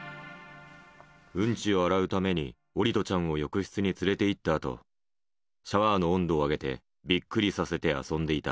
うんちを洗うために桜利斗ちゃんを浴室に連れていったあと、シャワーの温度を上げてびっくりさせて遊んでいた。